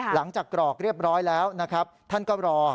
หลังจากกรอกเรียบร้อยแล้วท่านก็รอ